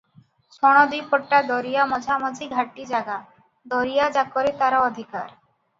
ଛଣଦ୍ୱୀପଟା ଦରିଆ ମଝାମଝି ଘାଟି ଜାଗା, ଦରିଆଯାକରେ ତାର ଅଧିକାର ।